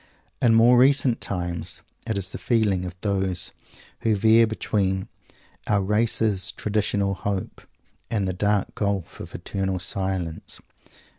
In more recent times, it is the feeling of those who veer between our race's traditional hope and the dark gulf of eternal silence.